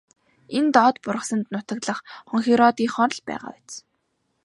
Энэ доод бургасанд нутаглах хонхироодынхоор л байгаа биз.